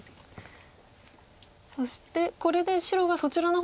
そしてこれで白がそちらの方